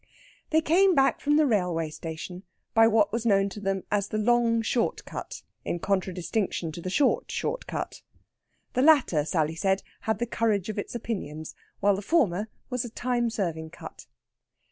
They came back from the railway station by what was known to them as the long short cut in contradistinction to the short short cut. The latter, Sally said, had the courage of its opinions, while the former was a time serving cut.